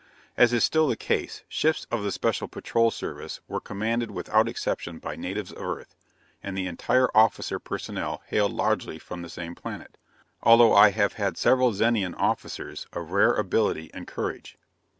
As is still the case, ships of the Special Patrol Service were commanded without exception by natives of Earth, and the entire officer personnel hailed largely from the same planet, although I have had several Zenian officers of rare ability and courage.